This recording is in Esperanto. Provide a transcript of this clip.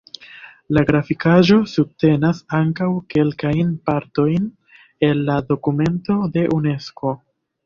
La grafikaĵo subtenas ankaŭ kelkajn partojn el la dokumento de Unesko.